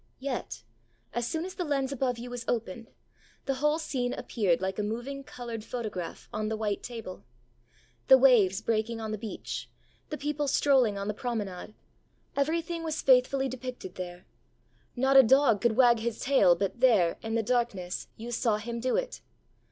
Yet, as soon as the lens above you was opened, the whole scene appeared like a moving coloured photograph on the white table. The waves breaking on the beach; the people strolling on the promenade; everything was faithfully depicted there. Not a dog could wag his tail but there, in the darkness, you saw him do it.